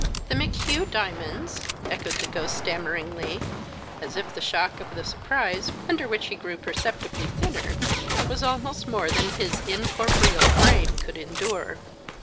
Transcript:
"The McHugh diamonds?" echoed the ghost stammeringly, as if the shock of the surprise, under which he grew perceptibly thinner, was almost more than his incorporeal frame could endure.